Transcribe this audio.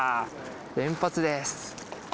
連発です